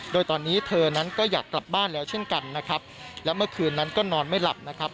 โดยตอนนี้เธอนั้นก็อยากกลับบ้านแล้วเช่นกันนะครับและเมื่อคืนนั้นก็นอนไม่หลับนะครับ